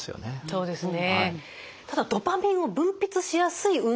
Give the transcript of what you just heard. そうですね。